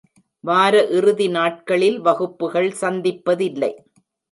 வார இறுதி நாட்களில் வகுப்புகள் சந்திப்பதில்லை.